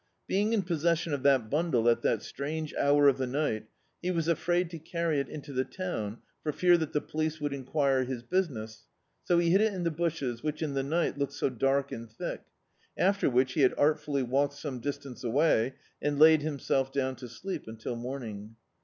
Being in possession of that bimdle at that strange hour of the ni^t, he was afraid to carry it into the town for fear that the police would enquire his business, so he hid it in the bushes, which in the night looked so dark and thick; after which he had artfully walked some distance away, and laid himself down to sleep until morning.